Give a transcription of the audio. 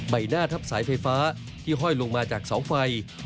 ใบหน้าทับสายไฟฟ้าที่ห้อยลงมาจากเสาไฟ